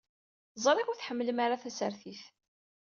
Ẓriɣ ur tḥemmlem ara tasertit.